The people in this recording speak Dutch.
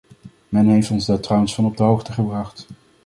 Men heeft ons daar trouwens van op de hoogte gebracht.